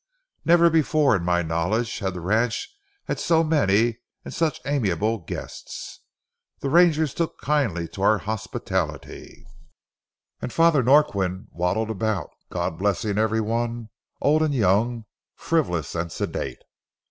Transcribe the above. Never before in my knowledge had the ranch had so many and such amiable guests. The rangers took kindly to our hospitality, and Father Norquin waddled about, God blessing every one, old and young, frivolous and sedate.